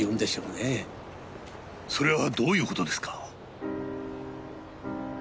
それはどういう事ですか？